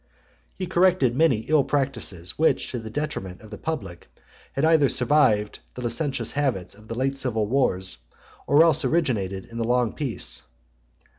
XXXII. He corrected many ill practices, which, to the detriment of the public, had either survived the licentious habits of the late civil wars, or else originated in the long peace.